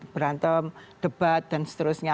berantem debat dan seterusnya